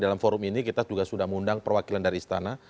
dalam forum ini kita juga sudah mengundang perwakilan dari istana